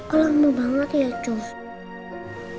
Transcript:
oh ramah banget ya cus